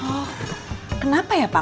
oh kenapa ya pak